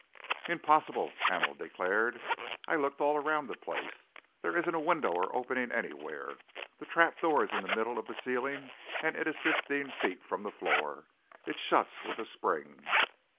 "Impossible!" Hamel declared. "I looked all round the place. There isn't a window or opening anywhere. The trap door is in the middle of the ceiling and it is fifteen feet from the floor. It shuts with a spring."